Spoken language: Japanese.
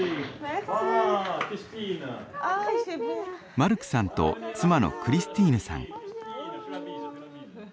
マルクさんと妻のクリスティーヌさん。